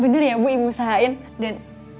bener ya bu ibu usahain